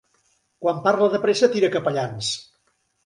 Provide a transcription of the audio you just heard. Quan parla de pressa tira capellans.